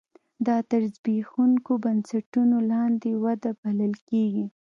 دا تر زبېښونکو بنسټونو لاندې وده بلل کېږي.